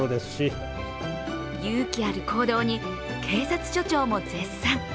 勇気ある行動に警察署長も絶賛。